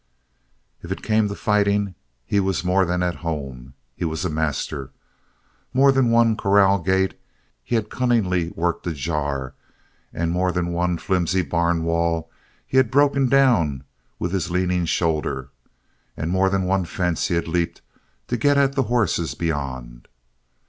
If it came to fighting he was more than at home. He was a master. More than one corral gate he had cunningly worked ajar, and more than one flimsy barn wall he had broken down with his leaning shoulder, and more than one fence he had leaped to get at the horses beyond.